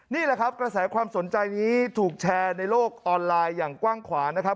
นี่แหละครับกระแสความสนใจนี้ถูกแชร์ในโลกออนไลน์อย่างกว้างขวางนะครับ